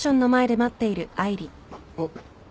あっ。